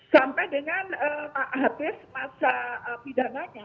sampai dengan habis masa pidananya